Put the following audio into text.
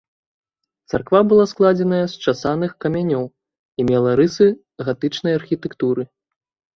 Царква была складзеная з часаных камянёў і мела рысы гатычнай архітэктуры.